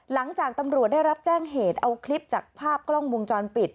หลังจากตำรวจได้รับแจ้งเหตุเอาคลิปจากภาพกล้องวงจรปิด